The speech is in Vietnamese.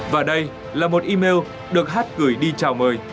và đây là một email được hát gửi đi chào mời